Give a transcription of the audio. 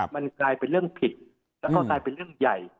มันกลายเป็นเรื่องผิดแล้วก็กลายเป็นเรื่องใหญ่